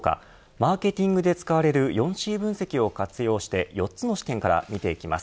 マーケティングで使われる４Ｃ分析を活用して４つの視点から見ていきます。